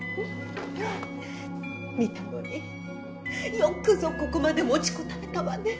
見たのによくぞここまで持ちこたえたわね。